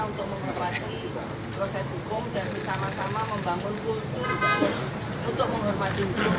untuk menghormati proses hukum dan bersama sama membangun kultur untuk menghormati